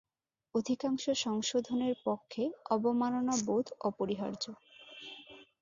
অধিকাংশ সংশোধনের পক্ষে অবমাননা-বোধ অপরিহার্য।